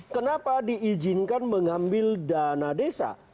kenapa diizinkan mengambil dana desa